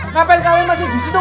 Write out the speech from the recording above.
ngapain kamu masih disitu